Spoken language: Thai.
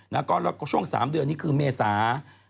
แล้วก็ช่วง๓เดือนนี้คือเมษา